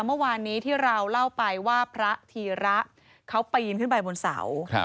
เมื่อวานนี้ที่เราเล่าไปว่าพระธีระเขาปีนขึ้นไปบนเสา